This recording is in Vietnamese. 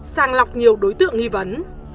sàng lọc nhiều đối tượng nghi vấn